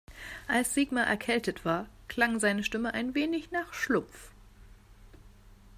Als Sigmar erkältet war, klang seine Stimme ein wenig nach Schlumpf.